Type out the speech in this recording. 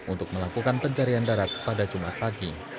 untuk melakukan pencarian darat pada jumat pagi